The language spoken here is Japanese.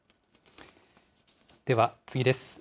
では、次です。